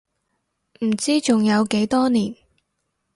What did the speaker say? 唔知仲有幾多年